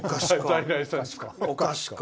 おかしか。